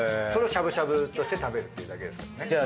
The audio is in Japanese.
それをしゃぶしゃぶとして食べるっていうだけですけどね。